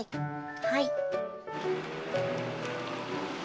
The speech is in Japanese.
はい。